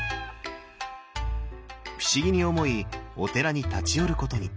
不思議に思いお寺に立ち寄ることに。